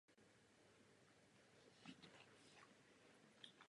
Tuto funkci zastával do své smrti.